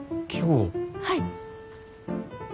はい。